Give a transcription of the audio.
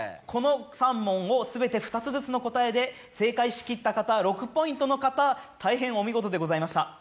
この３問を全て２つずつの答えで正解しきった方６ポイントの方大変お見事でございました。